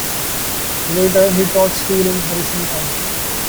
Later, he taught school in Harrison County.